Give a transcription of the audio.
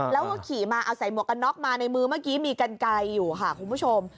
แล้วก็ขี่มาเอาใส่หมวกกันน็อกมาในมือเมื่อกี้มีกันไกลอยู่ค่ะคุณผู้ชม